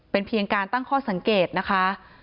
เป็นเพียงการตั้งข้อสังเกตนะคะ